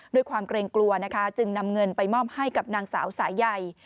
ด้วยความเกรงกลัวนะคะจึงนำเงินไปมอบให้กับนางสาวสายใย